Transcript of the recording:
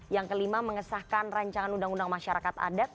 yang kelima mengesahkan rancangan undang undang masyarakat adat